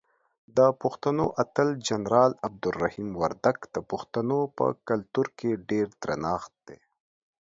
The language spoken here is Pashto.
دپښتنو اتل جنرال عبدالرحیم وردک دپښتنو په کلتور کې ډیر درنښت دی.